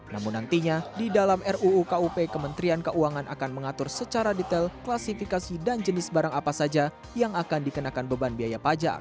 namun nantinya di dalam ruu kup kementerian keuangan akan mengatur secara detail klasifikasi dan jenis barang apa saja yang akan dikenakan beban biaya pajak